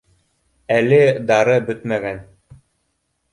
Әле дары бөтмәгән